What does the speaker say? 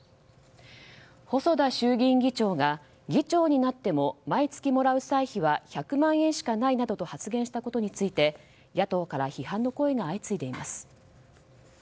細田衆議院議長が議長になっても毎月もらう歳費は１００万円しかないなどと発言したことについて野党から批判の声が相次いでいます。